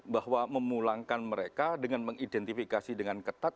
bahwa memulangkan mereka dengan mengidentifikasi dengan ketat